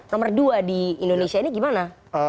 nomor dua di indonesia ini gimana